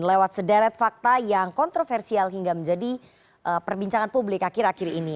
lewat sederet fakta yang kontroversial hingga menjadi perbincangan publik akhir akhir ini